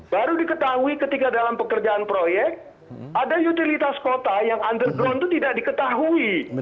baru diketahui ketika dalam pekerjaan proyek ada utilitas kota yang underground itu tidak diketahui